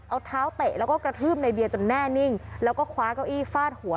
เอาเท้าเตะแล้วก็กระทืบในเบียร์จนแน่นิ่งแล้วก็คว้าเก้าอี้ฟาดหัว